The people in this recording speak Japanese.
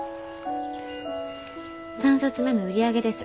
３冊目の売り上げです。